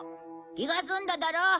気が済んだだろう？